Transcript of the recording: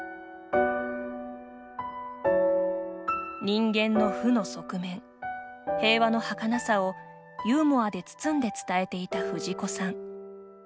人間の負の側面平和のはかなさをユーモアで包んで伝えていた藤子さん。